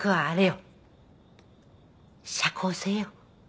社交性よ。